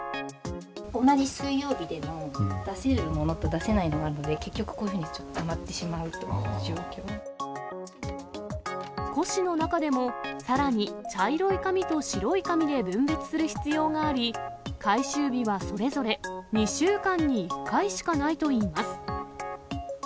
同じ水曜日でも、出せるものと出せないものもあるので、結局、こういうふうにたま古紙の中でも、さらに茶色い紙と白い紙で分別する必要があり、回収日はそれぞれ２週間に１回しかないといいます。